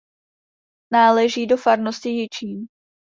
Náleží do farnosti Jičín.